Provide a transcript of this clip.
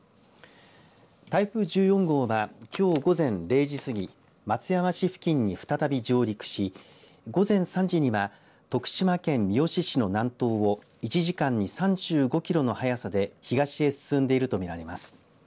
台風１４号はきょう午前０時すぎ松山市付近に再び上陸し午前３時には徳島県三好市の南東を１時間に３５キロの速さで東へ進んでいるとみられます。